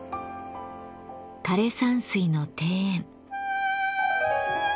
枯山水の庭園。